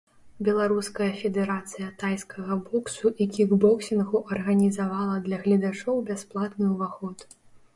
Беларуская федэрацыя тайскага боксу і кікбоксінгу арганізавала для гледачоў бясплатны ўваход.